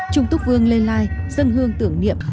trung túc vương lê lai dân hương tưởng niệm